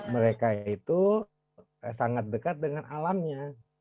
mereka itu sangat dekat dengan alamnya